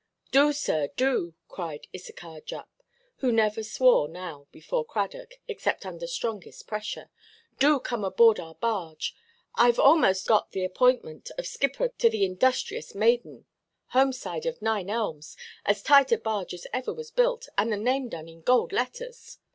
"Do, sir, do," cried Issachar Jupp, who never swore now, before Cradock, except under strongest pressure; "do come aboard our barge. Iʼve aʼmost a–got the appointment of skipper to the Industrious Maiden, homeside of Nine Elms, as tight a barge as ever was built, and the name done in gold letters.